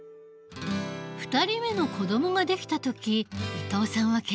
２人目の子どもが出来た時伊藤さんは決意した。